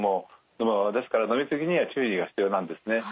でもですから飲み過ぎには注意が必要なんですね。